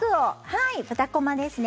はい、豚コマですね